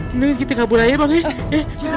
mendingan kita kabur aja bang ya